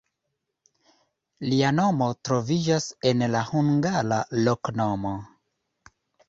Lia nomo troviĝas en la hungara loknomo.